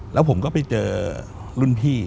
แล้วผมก็ไปเจอรุ่นพี่